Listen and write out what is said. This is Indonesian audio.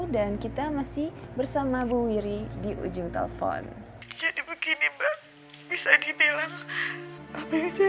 dan kita masih bersama bu wiri di ujung telepon jadi begini mbak bisa dibilang apa yang saya